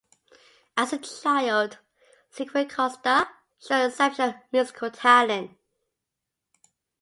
As a child, Sequeira Costa showed exceptional musical talent.